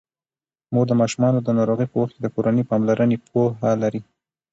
مور د ماشومانو د ناروغۍ په وخت د کورني پاملرنې پوهه لري.